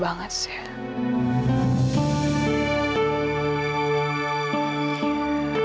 ya aku harus pulang